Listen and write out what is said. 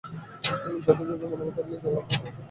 যথার্থ মনোভাব থাকিলে জ্ঞানলাভ সহজেই ঘটিয়া থাকে।